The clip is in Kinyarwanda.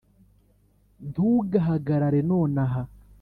ntugahagarare nonaha.